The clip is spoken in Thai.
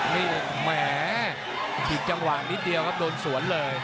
นี่แหมผิดจังหวะนิดเดียวครับโดนสวนเลย